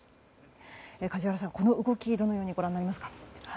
梶原さん、この動きどのようにご覧になりますか。